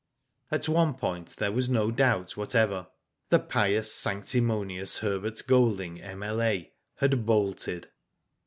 On one point there was no doubt whatever. The pious, sanctimonious Herbert Golding, M.L.A., had bolted.